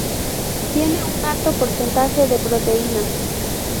Tiene un alto porcentaje de proteínas.